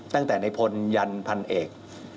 ตั้งแต่ในพลยันทร์พันธุ์เอก